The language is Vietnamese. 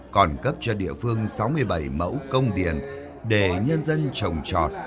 còn cấp cho địa phương sáu mươi bảy mẫu công điện để nhân dân trồng trọt